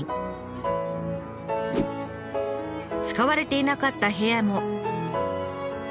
使われていなかった部屋も。